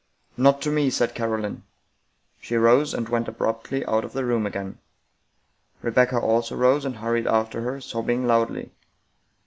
" Not to me," said Caroline. She rose, and went abruptly out of the room again. Re becca also rose and hurried after her, sobbing loudly.